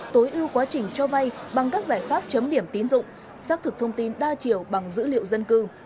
tối ưu quá trình cho vay bằng các giải pháp chấm điểm tín dụng xác thực thông tin đa chiều bằng dữ liệu dân cư